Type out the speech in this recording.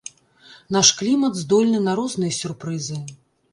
Наш клімат здольны на розныя сюрпрызы.